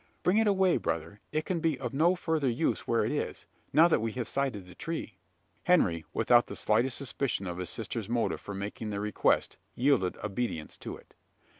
Bring it away, brother: it can be of no further use where it is now that we have sighted the tree." Henry, without the slightest suspicion of his sister's motive for making the request, yielded obedience to it.